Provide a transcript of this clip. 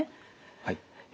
はい。